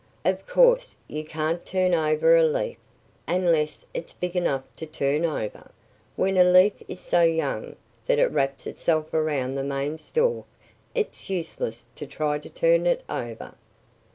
Of course you can't turn over a leaf unless it's big enough to turn over. When a leaf is so young that it wraps itself around the main stalk it's useless to try to turn it over.